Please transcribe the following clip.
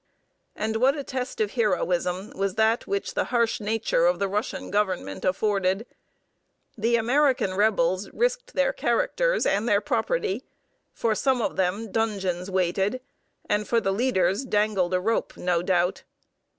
And what a test of heroism was that which the harsh nature of the Russian Government afforded! The American rebels risked their charters and their property; for some of them dungeons waited, and for the leaders dangled a rope, no doubt.